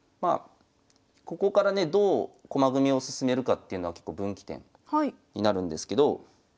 ここからねどう駒組みを進めるかっていうのは結構分岐点になるんですけど。